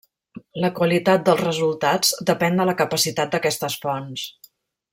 La qualitat dels resultats depèn de la capacitat d'aquestes fonts.